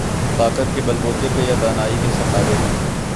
طاقت کے بل بوتے پہ یا دانائی کے سہارے۔